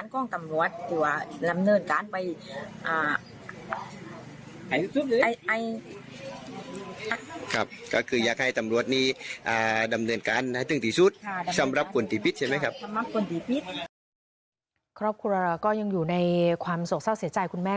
ครับครับคุณราวะก็ยังอยู่ในความโสขเศร้าเสียจายคุณแม่